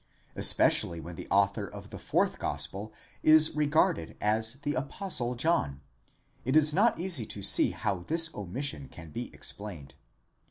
Especially when the author of the fourth gospel is regarded as the Apostle John, it is not easy to see how this omission can be explained.